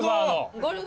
ゴルフ。